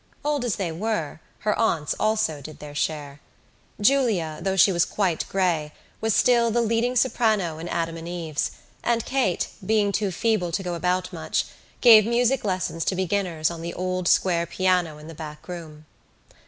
Old as they were, her aunts also did their share. Julia, though she was quite grey, was still the leading soprano in Adam and Eve's, and Kate, being too feeble to go about much, gave music lessons to beginners on the old square piano in the back room.